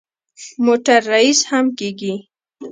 موټر ریس هم کېږي.